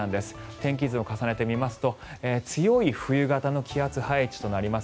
天気図を重ねてみますと強い冬型の気圧配置となります。